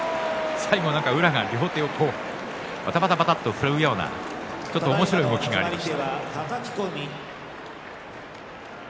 最後、宇良が両手をばたばたと振るようなおもしろい動きがありました。